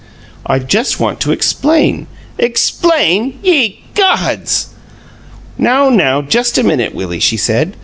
"I just want to explain " "'Explain'! Ye gods!" "Now, now, just a minute, Willie!" she said.